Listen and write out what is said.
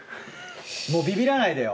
もうビビらないでよ。